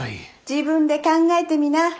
自分で考えてみな。